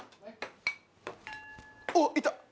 おっいった。